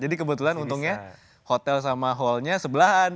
jadi kebetulan untungnya hotel sama hallnya sebelahan